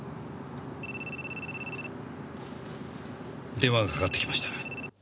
電話がかかってきました。